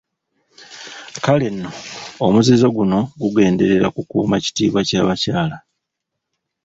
Kale nno omuzizo guno gugenderera kukuuma kitiibwa kya bakyala.